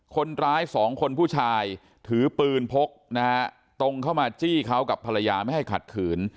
คนร้ายสองคนผู้ชายถือปืนพกนะฮะตรงเข้ามาจี้เขากับภรรยาไม่ให้ขัดขืน